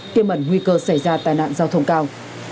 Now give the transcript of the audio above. tiêm ẩn nguy cơ xảy ra tai nạn giao thông cao